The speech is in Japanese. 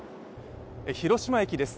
広島駅です。